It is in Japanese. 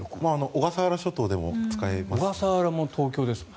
小笠原諸島でも使えます。